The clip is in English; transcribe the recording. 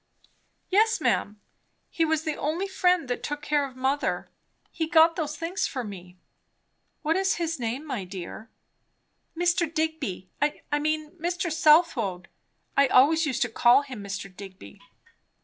"Yes, ma'am. He was the only friend that took care of mother. He got those things for me." "What is his name, my dear?" "Mr. Digby. I mean, Mr. Southwode. I always used to call him Mr. Digby."